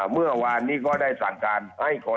เมื่อวานนี้ก็ได้สั่งการให้คอย